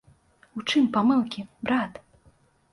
У чым памылкі, брат?